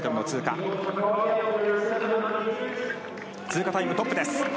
通過タイムトップです。